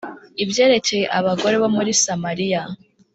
Ibyerekeye abagore bo muri Samariya